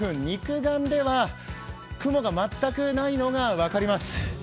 肉眼では雲が全くないのが分かります。